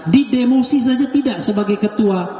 di demosi saja tidak sebagai ketua